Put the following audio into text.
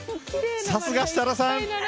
さすが設楽さん。